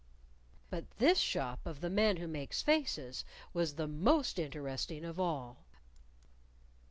But this shop of the Man Who Makes Faces was the most interesting of all.